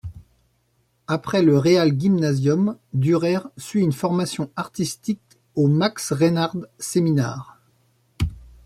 Après le Realgymnasium, Dürer suit une formation artistique au Max Reinhardt Seminar.